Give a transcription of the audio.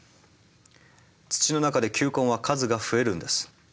土の中で球根は数が増えるんです。